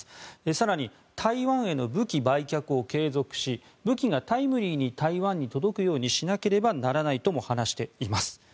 更に台湾への武器売却を継続し武器がタイムリーに台湾に届くようにしなければならないとも話しています。